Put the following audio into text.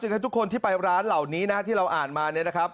ึกว่าทุกคนที่ไปร้านเหล่านี้ที่เราอ่านมา